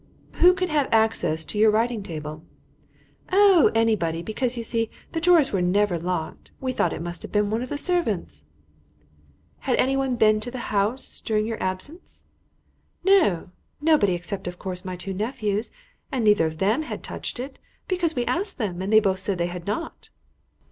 "Who could have had access to your writing table?" "Oh, anybody, because, you see, the drawers were never locked. We thought it must have been one of the servants." "Had anyone been to the house during your absence?" "No. Nobody, except, of course, my two nephews; and neither of them had touched it, because we asked them, and they both said they had not."